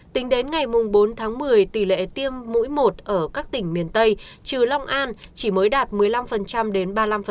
tính đến ngày bốn tháng một mươi tỷ lệ tiêm mũi một ở các tỉnh miền tây trừ long an chỉ mới đạt một mươi năm đến ba mươi năm